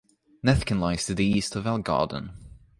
Nethkin lies to the east of Elk Garden.